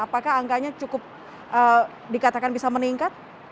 apakah angkanya cukup dikatakan bisa meningkat